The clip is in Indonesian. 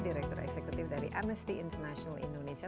direktur eksekutif dari amnesty international indonesia